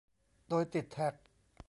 โดยติดแท็ก